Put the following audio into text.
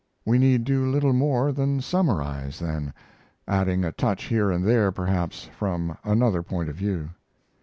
We need do little more than summarize then adding a touch here and there, perhaps, from another point of view.